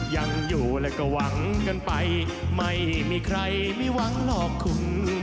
ยังอยู่และก็หวังกันไปไม่มีใครไม่หวังหรอกคุณ